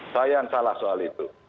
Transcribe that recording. saya yang salah soal itu